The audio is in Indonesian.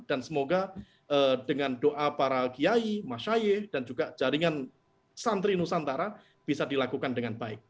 dan semoga dengan doa para kiai masyaye dan juga jaringan santri nusantara bisa dilakukan dengan baik